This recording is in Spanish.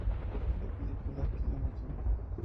La película "Km.